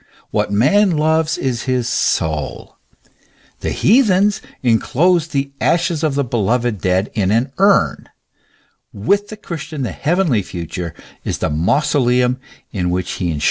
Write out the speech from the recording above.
What man loves is his soul. The heathens enclosed the ashes of the beloved dead in an urn ; with the Christian the heavenly future is the mausoleum in which he enshrines his Soul.